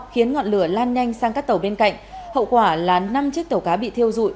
khiến ngọn lửa lan nhanh sang các tàu bên cạnh hậu quả là năm chiếc tàu cá bị thiêu dụi